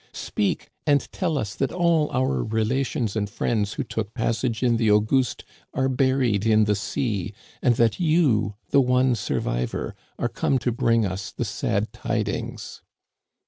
Speak ; and tell us that all our relations and friends who took passage in the Auguste are buried in the sea^ and that you, the one survivor, are come to bring us the sad tid ings